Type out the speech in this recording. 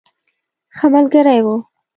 ښه ملګری وو.